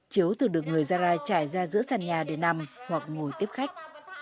chiếu thường được người gia rai trải ra giữa sàn nhà để nằm hoặc ngồi tiếp khách